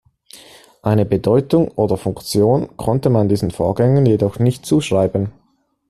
Eine Bedeutung oder Funktion konnte man diesen Vorgängen jedoch nicht zuschreiben.